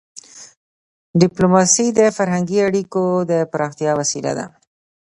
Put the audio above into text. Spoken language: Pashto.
ډيپلوماسي د فرهنګي اړیکو د پراختیا وسیله ده.